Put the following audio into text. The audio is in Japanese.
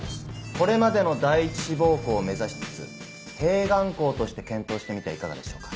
これまでの第一志望校を目指しつつ併願校として検討してみてはいかがでしょうか。